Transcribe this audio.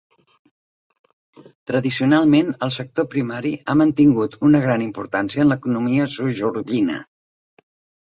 Tradicionalment el sector primari ha mantingut una gran importància en l'economia sogorbina.